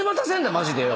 ⁉マジでよ。